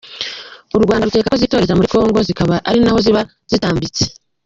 U Rwanda rukeka ko zitoreza muri Congo zikaba ari naho zaba zikambitse.